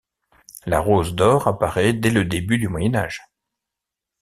La rose d'or apparaît dès le début du Moyen Âge.